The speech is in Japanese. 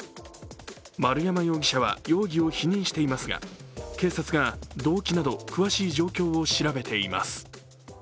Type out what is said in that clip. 丸山容疑者は容疑を否認していますが、警察が動機など詳しい状況を調べています。